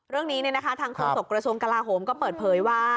เรื่องนี้ทางโฆษกระทรวงกลาโหมก็เปิดเผยว่า